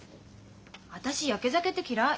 私やけ酒って嫌い。